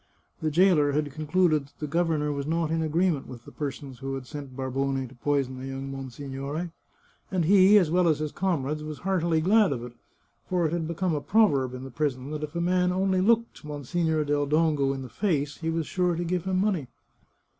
The jailer had concluded that the governor was not in agreement with the persons who had sent Barbone to poison the young monsignore, and he, as well as his comrades, was heartily glad of it, for it had be come a proverb in the prison that if a man only looked Mon signore del Dongo in the face he was sure to give him money.